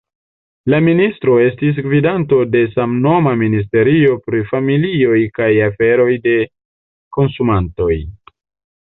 La ministro estis gvidanto de samnoma ministerio pri familioj kaj aferoj de konsumantoj.